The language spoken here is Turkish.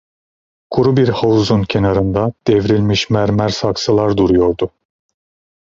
Kuru bir havuzun kenarında devrilmiş mermer saksılar duruyordu.